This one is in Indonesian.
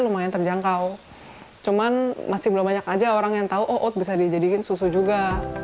lumayan terjangkau cuman masih belum banyak aja orang yang tahu oh bisa dijadikan susu juga